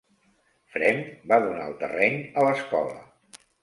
Fremd va donar el terreny a l'escola.